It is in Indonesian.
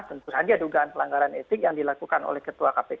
tentu saja dugaan pelanggaran etik yang dilakukan oleh ketua kpk